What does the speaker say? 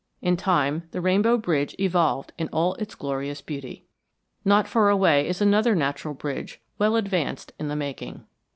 In time the Rainbow Bridge evolved in all its glorious beauty. Not far away is another natural bridge well advanced in the making.